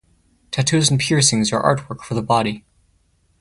Tattoos and piercings are artwork for the body.